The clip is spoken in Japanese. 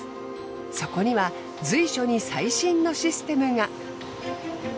そこには随所に最新のシステムが。